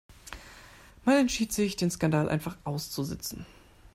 Man entschied sich, den Skandal einfach auszusitzen.